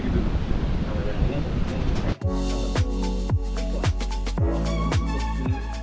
untuk bentuk kandungan lemak